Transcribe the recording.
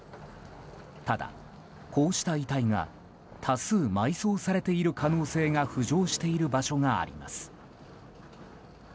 ただ、こうした遺体が多数埋葬されている可能性が浮上している場所があります。